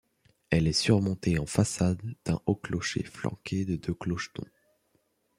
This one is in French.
Elle est surmontée en façade d'un haut clocher flanqué de deux clochetons.